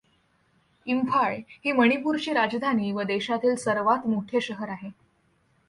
इंफाळ ही मणिपूरची राजधानी व देशातील सर्वात मोठे शहर आहे.